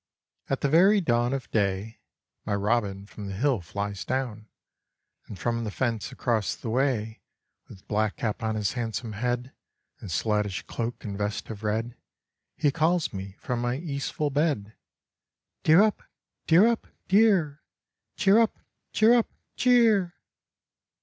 ] At the very dawn of day, My robin from the hill flies down, And from the fence across the way, With black cap on his handsome head, And slatish cloak and vest of red, He calls me from my easeful bed: Dear up, dear up, dear! Cheer up, cheer up, cheer!